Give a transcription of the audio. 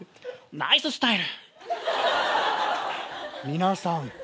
ナイススタイル。